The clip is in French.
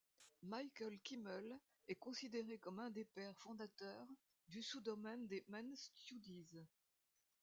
Michael Kimmel est considéré comme un des pères fondateurs du sous-domaine des men's studies.